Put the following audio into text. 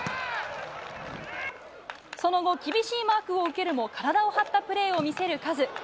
その後、厳しいマークを受けるも体を張ったプレーを見せるカズ。